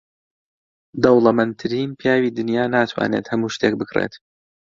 دەوڵەمەندترین پیاوی دنیا ناتوانێت هەموو شتێک بکڕێت.